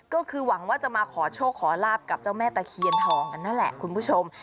ก็คือหวังว่าจะมาขอโชคขอลาบกับเจ้าแม่ตะเคียนทองกันนั่นแหละคุณผู้ชม